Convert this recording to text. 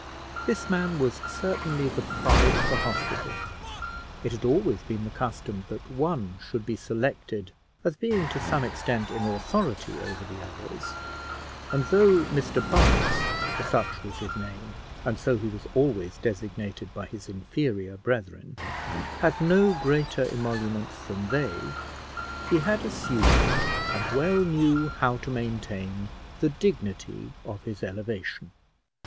This man was certainly the pride of the hospital. It had always been the custom that one should be selected as being to some extent in authority over the others; and though Mr Bunce, for such was his name, and so he was always designated by his inferior brethren, had no greater emoluments than they, he had assumed, and well knew how to maintain, the dignity of his elevation.